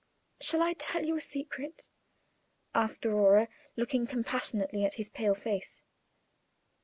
"Shall I tell you a secret?" asked Aurora, looking compassionately at his pale face.